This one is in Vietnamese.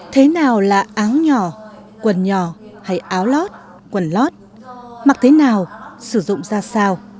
thế nào là áng nhỏ quần nhỏ hay áo lót quần lót mặc thế nào sử dụng ra sao